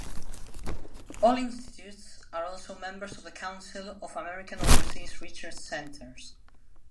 All institutes are also members of the Council of American Overseas Research Centers.